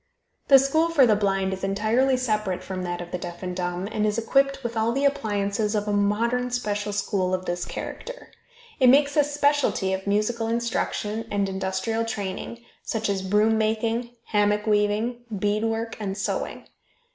The school for the blind is entirely separate from that of the deaf and dumb, and is equipped with all the appliances of a modern special school of this character. It makes a specialty of musical instruction and industrial training, such as broom making, hammock weaving, bead work and sewing.